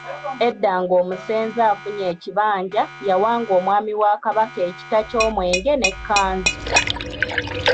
Edda ng’omusenze afunye ekibanja yawanga Omwami wa Kabaka ekita ky’Omwenge n’e Kkanzu.